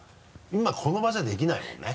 今この場じゃできないもんね？